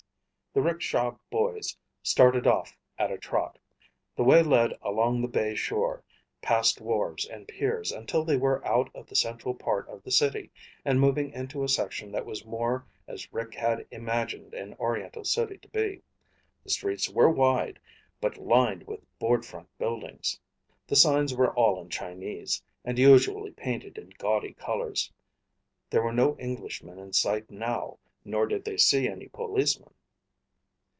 The rickshaw boys started off at a trot. The way led along the bay shore, past wharves and piers, until they were out of the central part of the city and moving into a section that was more as Rick had imagined an oriental city to be. The streets were wide, but lined with board front buildings. The signs were all in Chinese, and usually painted in gaudy colors. There were no Englishmen in sight now, nor did they see any policemen.